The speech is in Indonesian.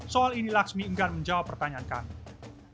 soal ini laksmi enggan menjawab pertanyaan kami